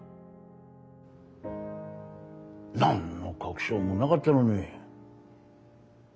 何の確証もなかったのに。